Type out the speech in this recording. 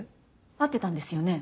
会ってたんですよね？